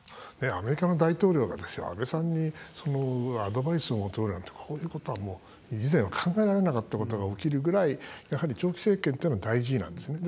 アメリカの大統領がですよ安倍さんにアドバイスを求めるなんてこういうことは以前は考えられなかったことが起きるぐらいやはり、長期政権というのは大事なんですね。